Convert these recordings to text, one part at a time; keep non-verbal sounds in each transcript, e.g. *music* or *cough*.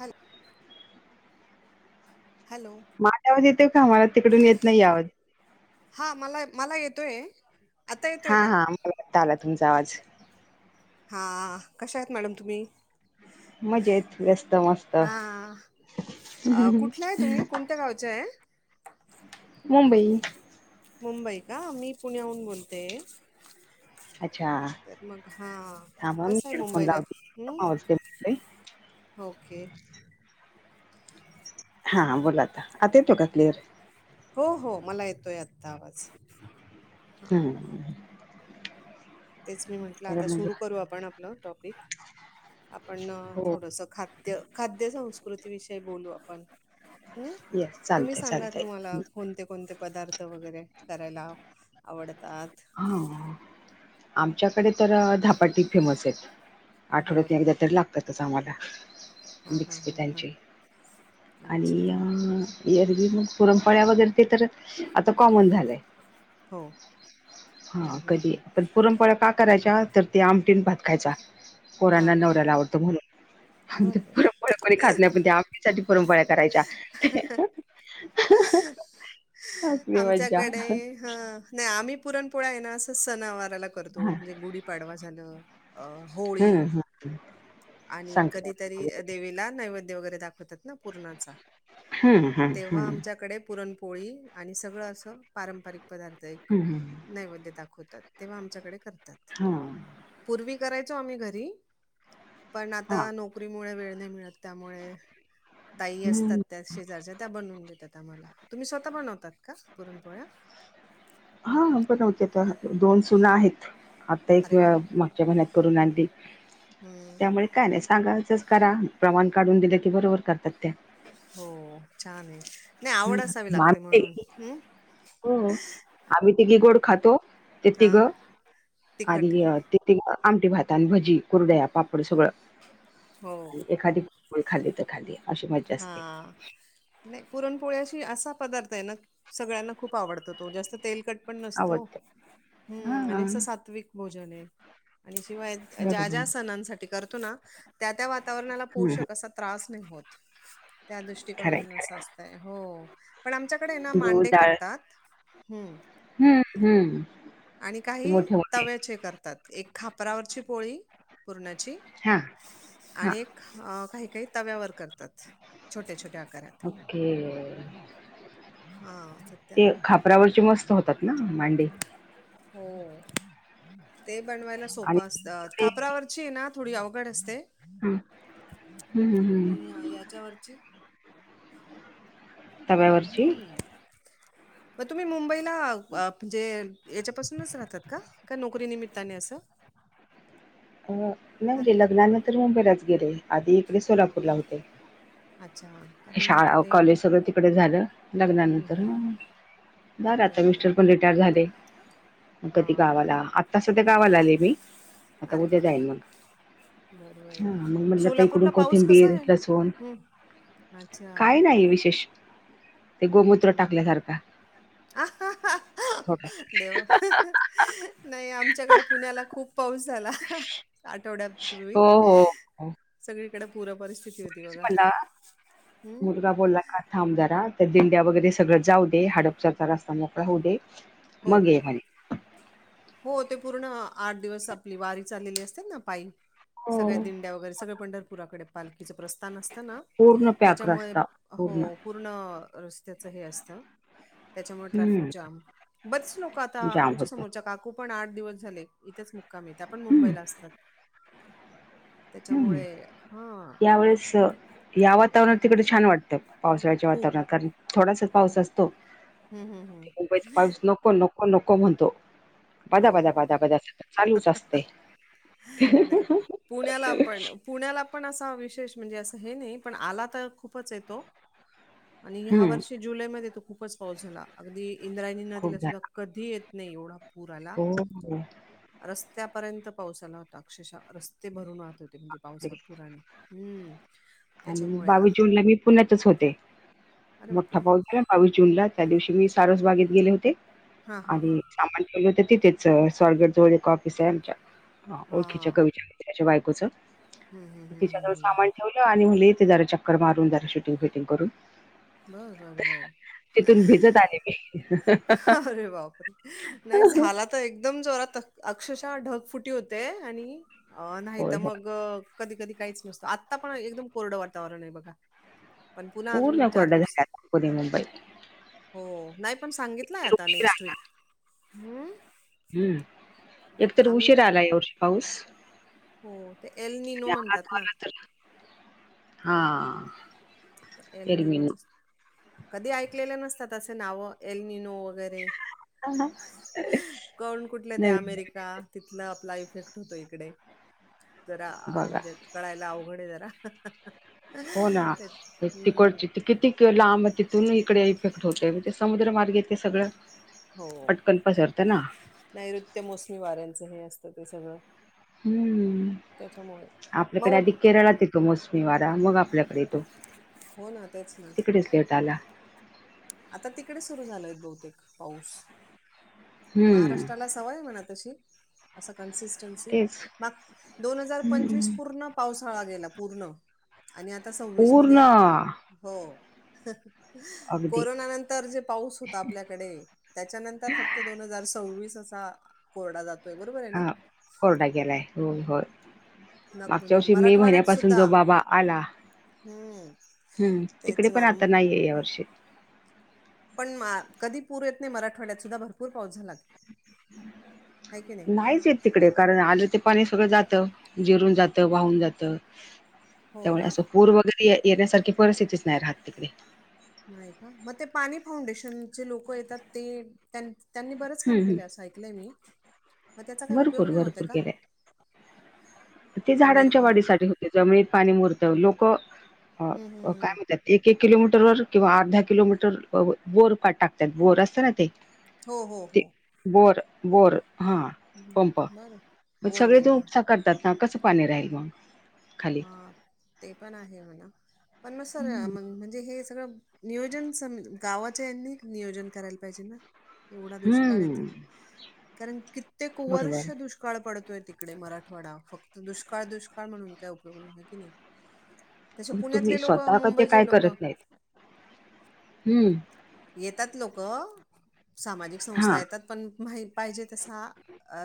Hello hello माझ्या आवाज येते का? मला तिकडून येत नाही आवज, हा मला, मला येतोय, आता येतोय हा का हा मला वाटता आला तुमचा आवाज हा कशा आहेत. मॅडम! तुम्ही, मजेत वस्त, मस्त हा अ, कुठल्या आहे तुम्ही *unintelligible* कोणत्या गावच्या आहे? मुंबई, मुंबई का, मी पुण्याहून बोलते, अच्छा, तर मग हा थांबा हा मी, कसं आहे हेडफोन मुंबईला लावते. आवाज हम्म कमी येतोय. ओके, हां बोला आ, आता येतो का क्लिअर? हो, हो मला येतोय आत्ता आवाज, हां हम्, तेच मी म्हंटलं, तर आता म्हणजे सुरू करू आपण आपलं टॉपिक, आपण हो थोडस खाद्य, खाद्यसंस्कृती विषयी बोलू आपण. हम्म, येस तुम्ही चालतंय सांगा चालतंय. तुम्हाला कोणते, कोणते पदार्थ वगैरे करायला, आवडतात. हा, आमच्याकडे तर धापाटी फेमस आहेत. आठवड्यात बर तुन, एकदा तरी लागतातच, आम्हाला. हां मिक्स हां हां पीठ हां चे, आणि अच्छा एरवी मग, पुरणपोळ्या वगैरे ते तर, आता कॉमन झालंय. हो, हा हं, हं, कधी हं. पण, पुरणपोळ्या का करायच्या, तर ते आमटीन भात खायचा. हां पोरांना आणि, हां नवऱ्यायला आवडतो म्हणून, आणि बरं त्या बरं पूरनपोळ्याकोणी खात नाही, पण आमटी साठी पूरनपोळया करायच्या. *unintelligible* असली मजा, ह नाही आम्ही पुरणपोळा आहे ना, असं सणावाराला करतो हा म्हणजे, गुढीपाडवा झालं अ, होळी हम, आणि कधीतरी देवीला, नैवेद्य वगैरे दाखवतात. ना पुरणाचा, हम्म हम्म तेव्हा आमच्याकडे पुरणपोळी, आणि सगळं असं. पारंपरिक पदार्थएक, हम्म नैवेद्य दाखवतात तेव्हा आमच्याकडे करतात. हा, पूर्वी करायचो, आम्ही घरी. पण आता हा नोकरीमुळे वेळ नाही मिळत, त्यामुळे ताई असतात. हम्म त्या शेजारच्या त्या बनवून देतात. आम्हाला, तुम्ही स्वतः बनवतात का? पुरणपोळ्या, हा बनवतेता, दोन सुना आहेत. आता एक, अरे वा! मागच्या महिन्यात करून आणली, हम्म. त्यामुळे काय नाही, सांगायचंच करा प्रमाण, काढून दिले ते बरोबर करतात त्या. हो छान आहे, नाही आवड असावी लागते आम्ही म्हणून. हम्, हो आम्ही तिघी गोड खातो, ते हा तिघं, आणि तिखट त आमटी भाता, भजी, कुरड्या पापड सगळं हो आणि एखादी, पुरणपोळली खाली, तर खाली, हा, नाही पुरणपोळ्या असा पदार्थ आहे, ना सगळ्यांना खूप आवडतो तो जास्त तेलकट, पण नसतो् आवडते हा आणि अस, सात्विक भोजन आहे, आणि शिवाय, ज्या बरोबर ज्या, सणांसाठी करतो ना. त्या त्या वातावरणाला हम्म पोषक असा त्रास नाही होत. त्या खरंय दृष्टीिकोनात, अस खरंय असतय हो, पण आमच्याकडे ना गूळ मांडे डाळ करतात हम्म हम्म हम्म आणि काही मोठे मोठे तव्याचे करतात एक खापरावरची पोळी पूरणाची हां, आणि एक काही काही, तव्यावर करतात. छोट्या, छोट्या आकारा, ओके, ते हा खापरावरचे मस्त होतात ना मांडे *unintelligible* हो ते बनवायला आणि सोपं असतात इकडे खापरावरची आहे ना थोडी अवघड असते. हम्म हम्म हम्म हयाच्यावरची हम्. तव्यावरची हम्म मग तुम्ही मुंबईला म्हणजे याच्यापासूनच राहतात का का नोकरी निमित्ताने असं नाही हा म्हणजे लग्नानंतर मुंबईलाच गेले आधी इकडे सोलापूरला होते अच्छा कारण शाळा धपाटे कॉलेज हम्म, सगळं तिकडे झालं लग्नानंतर हम्म. झालं आता बर बर मिस्टर रिटायर रिटायर झाले मग कधी हा गावाला आत्ता सध्या गावाला आले मी आता अरे वा उद्या जाईन मग बर बर हा बर मग म्हटलं त इकडून सोलापूरला पाऊस कसा कोथिंबीर आहे लसूण हम्म अच्छा काय नाही विशेष ते गोमूत्र हम्म टाकल्यासारखा आ थोडासा देवा नाही आमच्याकडे पुण्याला खूप पाऊस झाला आठवड्यापूर्वी हो हो हो सगळीकडे पूर पररिस्थिती होती. तेच बघा. म्हणट हं, मुलगा बोला आ थांब जरा तर दिंड्या वगैरे सगळं जाऊ दे हडपसरलाचा रस्ता मोकळा होऊ दे हो. मग ये म्हणे हो ते पूर्ण आठ दिवस आपली वारी चाललेली असते ना पायी. सगळ्या हो. दिंड्या वगैरे सगळ पंढरपुराकडे पालखीचं प्रस्थान असतं ना. पूर्ण पॅक त्याच्यामुळे रस्ता हो पूर्ण रस्त्याच हे असतं त्याच्यामुळे ट्रॅफिक हम्म जाम बरेच लोक आता जाम आमच्या होत समोरच्या काकू पण आठ दिवस झाले. इथेच मुक्कामी येत पण हम्म मुंबईला असतात. हम्म त्याच्यामुळे हा या वळेस या वातावरणात तिकडे छान वाटतं पावसाळ्याच्या खूप वातावरणात कारण थोडासा पाऊस असतो. हम्म हम्म हम्म. ते मुंबईचा पाऊस नको नको नको म्हणतो. बदा बदा हो बदा बदा चालूच असते. नाही पुण्याला पण पुण्याला पण असा विशेष म्हणजे असं हे नाही पण आला तर खूपच येतो. आणि ह्या हम्म वर्षी जुलैमध्ये तो खूपच पाऊस झाला अगदी इंद्रायणी नदीला खूप सुद्धा कधी येत नाही एवढा पुर आला. झालं हो रस्त्यापर्यंत पाऊसा आला होता अक्षरशः रस्ता ते भरून राहत होते म्हणजे पावसा पुराणे हम्म आणि त्याच्यामुळे आ बावीस जूनला मी पुण्यातच होते अरे मोठा बापरे पाऊस झाला बावीस जूनला त्या दिवशी मी सारस बागेत गेले होते. हा हा आणि हा सामान ठेवले होत तिथेच स्वरगेट जवळ एक ऑफिस आहे आमच्या हा ओळखीच्या कवि मिञाच्या बायकोचं हम्म हम्म हम्म तिच्या हम्म जवळ हम्म सामान ठेवलं आणि म्हणलं इथे जरा चक्कर मारून जरा शूटिंग फुटिंग करून बर बर बर तिथून भिजत आले मी अरे बापरे नाही झाला एकदम जोरात अक्षशः ढग फुटी होते आणि नाही होय तर होय मग कधी कधी काहीच नसतो आत्ता पण एकदम कोरडं वातावरण आहे बघा पण पुन्हा अजून. कोरड झालं दिवस आता पुणे मुंबई हो नाही पण सांगितलंय एकतर आता उशीर नेक्स्ट आला वीक हम्म एकतर आम्ही उशीर आला यावर्षी पाऊस. हो ते एल न नो म्हणतात ना. तर हा एरवी एलननोच कधी ऐकलेलं नसतात असे नाव एलननो. वगैरे कोण कुठले ते नवीन अमेरिका. तिथला आपला इफेक्ट होतो इकडे तर बघा म्हणजे कळायला अवघडे जरा हो ना एक हम्म तिकडची किती लांब तिथून इकडे इफेक्ट होतय म्हणजे समुद्र मार्ग ये तेे सगळं हो. पटकन पसरत ना नैऋत्य मोसमी वाऱ्यांचं हे असतं ते सगळं हम्म त्याच्यामुळे आपल्याकडे मग आधी केरळात येतो मोसमी वारा मग आपल्याकडे येतो फोन हा तेच ना. लेटाला. आता तिकडे सुरू झालंय बहुतेक पाऊस. हम्म महाराष्ट्राला सवय म्हणा तशी. अस कनसि् तेच दोन हजार पंचस हम्म पूर्ण पावसाळा गेला पूर्ण आणि आता सव्वीस पूर्ण मध्ये हो अगदी कोरोना नंतर तर जे पाऊस होता आपल्याकडे त्याच्यानंतर फक्त दोन हजार सव्वीस असा कोरडा जातो तय बरोबर आहे ना हा कोरडा गेलाय हो हो नक मागच्या म्हणजे वर्षी मे मराठवाड्यात महिन्यापासून सुद्धा जो बाबा आला हम्म हम्म तिकडे तेच पण ना आता नाहीये या वर्षी पण कधी पूर येत नाही मराठवाड्यात सुद्धा भरपूर पाऊस झाला आहे की नाही नाहीच तिकडे कारण आलं ते पाणी सगळं जात जिरून जातं वाहून जात हो त्यामुळे का असं पूर वगैरे येण्यासारखी परिस्थितीच नाही राहत तिकडे नाही का मग ते पाणी फाउंडेशनचे लोक येतात ते त्यांनी बरेच काम हम्म, केले हम्म. असं ऐकलंय मी मग त्याचा काही उपयोग भरपूर नाही होत आहे भरपूर का? गेले ते आमिर झाडांच्या खान. वाढीसाठी होते जमुळे पाणी मुरत लोक हम हम अ, हम काय म्हणतात एक एक किलोमीटर वर किंवा अर्धा किलोमीटर बोर टाकतात बोर असत ना ते हो हो ते हो बोर बोर हा हं. पंप बरं. सगळे बोरवेल. तपसाकार त्या ना कसं पाणी राहील मग खाली हा ते पण आहे हो ना पण मग सर हम्म. म्हणजे हे सगळं नियोजन स गावाच्या यांनी नियोजन करायला पाहिजे ना एवढा दुष्काळ येत हम्म कारण कित्येक वर्ष बरोबर दुष्काळ दुष्काळ पडतोय तिकडे मराठवाडा फक्त दुष्काळ दुष्काळ म्हूनय की नाही त्याच्या मग तुम्ही पुण्यातले लोक स्वतः का ते मुंबईचे काय लोक करत नाहीत हम्म येतात लोक सामाजिक हा संस्था येतात पण मा पाहिजे तसा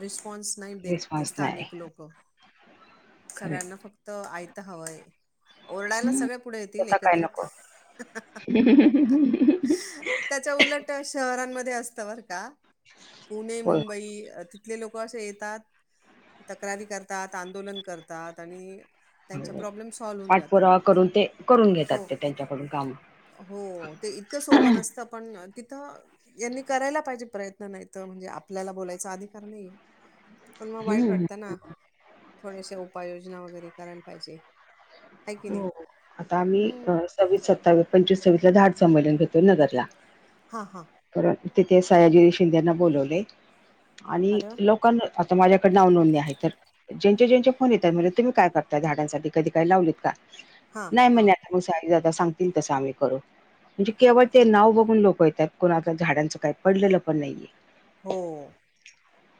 रिस्पॉन्स नाही देत रिस्पॉन्स नाही स्थानिक लोक खरे सगळ्यांना फक्त आयता हवंय ओरडायला सगळे पुढे येतील एकत्रित ह त्याच्या उलट शहरांमध्ये असत बर का पुणे होय मुंबई तथले लोक असे येतात तक्रारी करतात आंदोलन करतात आणि त्यांच्या हो प्रॉब्लेम सॉल्व्ह होऊन जातात पाठपुरावा करून ते करून घेतात हो ते त्यांच्याकडून काम हो ते इतकं सोपन असतं पण तिथं. यांनी करायला पाहिजे प्रयत्न नाही तर म्हणजे आपल्याला बोलायचा अधिकार नाहीय. पण मग वाईट हम्म वाटतं ना थोडेसे उपाययोजना वगैरे करायला पाहिजे आहे की नाही? हो आता आम्ही हं, सव्वीस सत्तावीस पंचवीस सव्वीस ला ाड संमलन घेतो नगरला हा हा. तिथे सयाजी शिंदेना बोलवले आणि अरे वाह! लक आता माझ्याकडे नाव नोंदणी आहे तर ज्यांच्या ज्यांच्या फोन येतात म्हणज तुम्ही काय करता झाडांसाठी कधी काही लावलीत का हां, नाही हां. म्हणता. सांगतील तं आम्ही करू. म्हणजे केवळ ते नाव बघून लोकं येतात कोणाच झाडांचं काही पडलेलं पण नाहीये. हो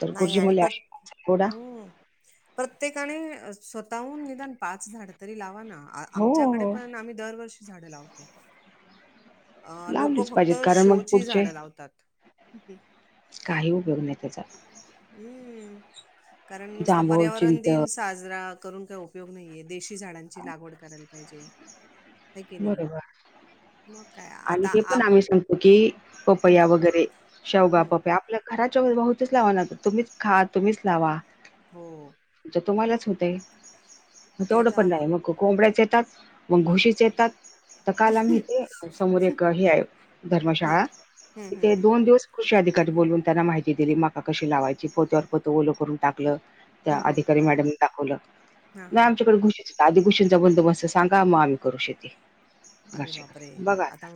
तर नाही गुरुजी आणि म्हणले पर अशी गोडा हम्म. प्रत्येकाने स्वतःहून निदान पाच झाड तरी लावाना हो आमच्याकडे हो पण आम्ही दरवर्षी झाडं लावतो. अ लोक लावलीच फक्त पाहिजेत कारण मग शोची पुढचे जाणं लावतात. काही उपयोग नाही त्याचा हम्म कारण नुसता जांभूळ पर्यावरण चिंच दिन साजरा करून काही उपयोग नाहीे देशी झाडांची लागवड करायला पाहिजे. हे की नाही बरोबर मग काय? आणि आता हे पण आप आम्ही सांगतो की हं, पपया वगैरे शेवगा हं. पपया आपल्या घराच्या बहुतेच लावा ना तुम्हीच खा तुम्हीच लावा. हो. तुम्हालाच होते. ते तेवढं तर पण आहे. नाही मग कोंबड्याच येतात मग घोशीच येतात तर काल आम्ही ते हं, धर्मशाळा हं, हं. तथे दोन दिवस कृषी अधिकारी बून त्यांना माहिती क दिली म कशी लावायची पोत्यावर पोत ओल करून टाकलं. त्या हं, हं. अधिकारी मॅडम दाखवलं हां, नाही हां. आमच्याकडे घुशी आधि कुशीींचा बंदोबस्त सांगा मग आम्ही करू शेती अरे घरच्या बापरे! घरी बघा आता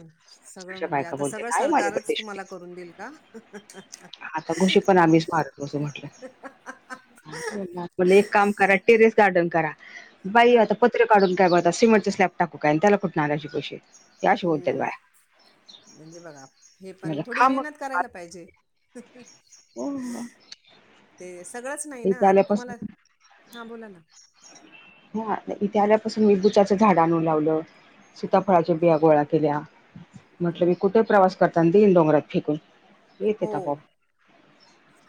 सगळं अशा म्हणजे बायका आता सगळं बोलतात आहे माझ्याकडे सरकारच ते तुम्हाला शेती करून देईल का. आता घुशी पण आम्हीच *unintelligible* होला एक काम करा टेरेस गार्डन करा बाई हं. आता पत्र काढून काय बोलात सिमंटं स्लॅब टाकूय आणि त्याला कुठ आ अशी पोशीेत हम्म म्हणजे बघा हे पण म्हणलं थोडी खा मग मेहनत करायला पाहिजे. ह. हो, हो. ते सगळंच नाही ना इथे आता तुम्हाला आल्यापासून हां बोला ना. हा इथे आल्यापासून मी बुचाच झाड आणू लावलं अरे वा सीताफळाचे बिया गोळा केल्या अरे म्हटलं वा मी कुठे प्रवास करता देन डोंगरात फेकून येत हो त प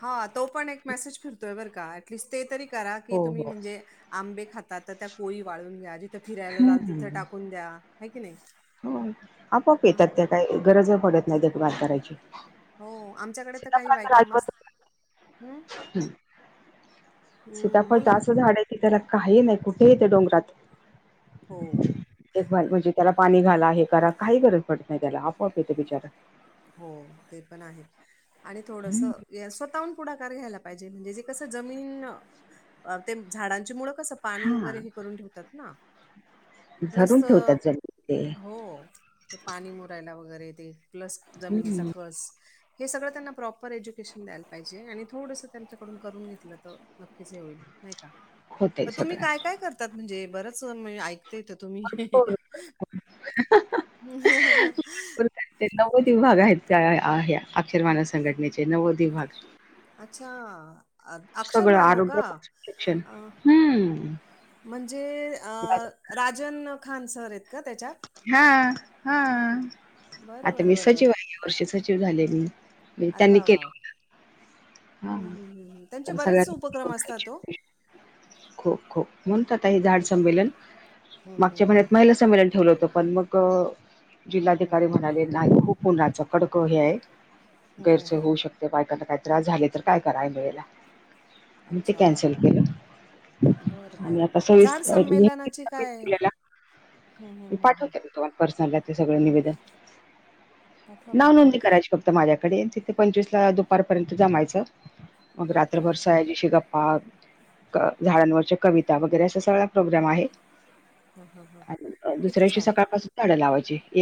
हा तो पण एक मेसेज फिरतोय बर का टलिस्ट ते तरी करा की हो तुम्ही हो म्हणजे आंबे खातात तर त्या कोळी वाळून घ्या. तिथ फिरायला जाल हम्म. तिथं टाकून द्या ह की नाही. काही गरज पडत नाही देखभाल करायची. हो आमच्याकडे तर काही सीताफळाच बायकामच हम्. सीताफळ जा बोला ना अस झाड आहे त त्याला काही नाही कुठे येते डोंगरात हो. एक म्हणजे त्याला पाणी घाला हे करा काही गरज पडत नाही त्याला आपोआप येते बिचारा हो ते पण आहे आणि थोडसं स्वतःहून पुढाकार घ्यायला. े म्हणे कस जमीन झाडां मु कस. पाणी हा वगैरे हे करून ठेवतात ना. प्लस धरून ठेवतात जमिनीत ते हो ते पाणी मुरायला वगैरे येते प्लस जमिनीचा हम्म कस. हे सगळं त्यांना प्रॉपर एज्युकेशन द्यायला पाहिजे आणि थोडंसं त्यांच्याकडून करून घेतलं तर नक्कीच हे होईल. नाही का होतय तुम्ही सगळं. काय काय करतात? म्हणजे बरंच ऐकता येत तुम्ही भरपूर हम. नव्वद विभाग आहेत. त्या अक्षरवान संघटनेचे नव्वद विभाग. अच्छा अक्षर सगळं मानव का आरोग्यापासून शिक्षण अ हम्म म्हणजे राजन खान सर आहेत का त्याच्यात हा हा बरं, आता बरं, मी बरं, बरं. सचिव आहे. या वर्षी सचिव झाले मी. अरे त्यांनी वाह! केल. वाह! वाह! हा हं, हं, हं, हं. त्यांचे पण बरेच सगळ्यां उपक्रम असतात ओ. खो खो म्हणत आता हे झाड संमेलन हं, हं, मागच्या हं. म्हणत महिला संमेलन ठेवलं होत पण मग हं, हं, जिल्हाधिकारी हं. म्हणाले नाही खुप उन्हाचा कडक हे आहे. हं, हं, गैरसोय हं. होऊ शकते बायकांना काही त्रास झाले. काय कराय मिळेला मी ते कॅन्सल केलं. बर बर आणि आता सव्वीस झाड संमेलनाची काय आपल्याला हम् हम् हम्म् तु्हाला पर्सन ते सगळ निवेदन पाठवा, नाव पाठवा. नोंदी करायची. फक्त माझ्याकडे तिथे पंचवीसला दुपारपर्यंत जमायचं मग रात्रभर हां. सजीशी ग अ झाडांवरच्या कविता वगैरे असा सगळा प्रोग्राम आहे. हां, हां, हां. किती दुसऱ्या दिव छान. सकाळपसून झाड लावायची. एक